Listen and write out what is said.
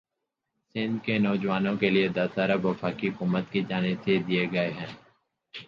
سندھ کے نواجوانوں کے لئے دس ارب وفاقی حکومت کی جانب سے دئے گئے ہیں